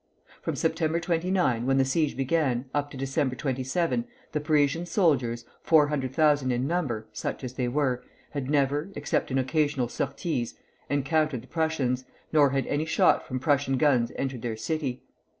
From September 19, when the siege began, up to December 27, the Parisian soldiers, four hundred thousand in number (such as they were) had never, except in occasional sorties, encountered the Prussians, nor had any shot from Prussian guns entered their city.